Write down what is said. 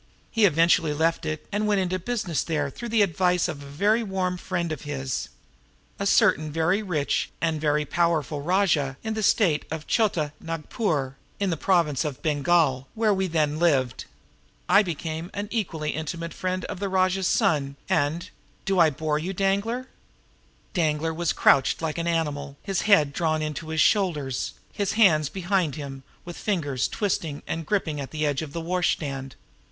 He eventually left it and went into business there through the advice of a very warm friend of his, a certain very rich and very powerful rajah in the State of Chota Nagpur in the Province of Bengal, where we then lived. I became an equally intimate friend of the rajah's son, and do I bore you, Danglar?" Danglar was like a crouched animal, his head drawn into his shoulders, his hands behind him with fingers twisting and gripping at the edge of the washstand.